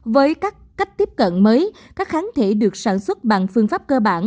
với các cách tiếp cận mới các kháng thể được sản xuất bằng phương pháp cơ bản